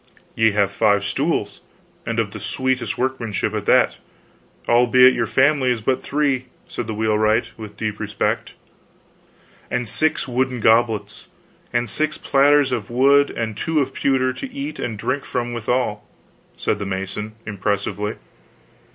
"Ye have five stools, and of the sweetest workmanship at that, albeit your family is but three," said the wheelwright, with deep respect. "And six wooden goblets, and six platters of wood and two of pewter to eat and drink from withal," said the mason, impressively.